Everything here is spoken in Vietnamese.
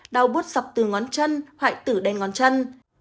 đau bút dọc từ ngón chân hoại tử đen ngón chân